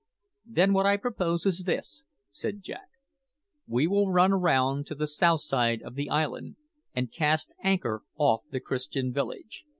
"Then, what I propose is this," said Jack. "We will run round to the south side of the island, and cast anchor off the Christian village.